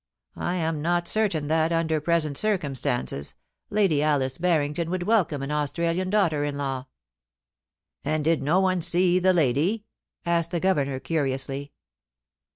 I am not certain that, under present circumstances, Lady Alice Barrington would welcome an Australian daughter in law.' . *And did no one see the lady?' asked the Governor, curiously.